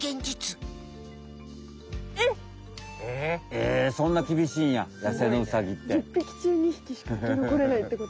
えそんなきびしいんや野生のウサギって。